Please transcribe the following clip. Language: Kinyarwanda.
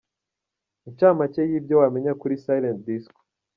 Incamake y’ibyo wamenya kuri Silent Disco.